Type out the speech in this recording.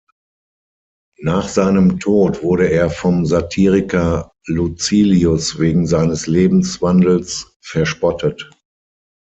Nach seinem Tod wurde er vom Satiriker Lucilius wegen seines Lebenswandels verspottet.